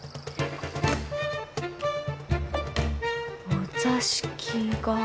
お座敷が。